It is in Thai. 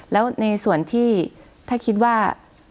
แล้วในส่วนที่ถ้าคิดว่า